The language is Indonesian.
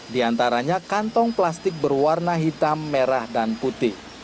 di antaranya kantong plastik berwarna hitam merah dan putih